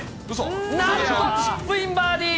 なんとチップインバーディー。